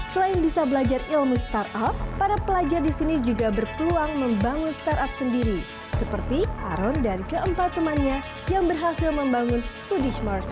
selain bisa belajar ilmu startup para pelajar di sini juga berpeluang membangun startup sendiri seperti aron dan keempat temannya yang berhasil membangun foodie smart